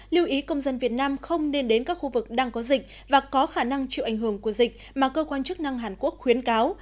lưu ý công dân việt nam không nên đến các khu vực đang có dịch và có khả năng chịu ảnh hưởng của dịch mà cơ quan chức năng hàn quốc khuyến cáo